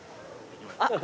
あっ。